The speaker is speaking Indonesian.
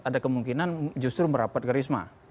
ada kemungkinan justru merapat ke risma